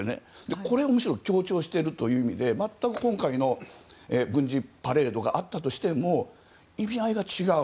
これを、むしろ強調しているという意味で全く今回の軍事パレードがあったとしても意味合いが違う。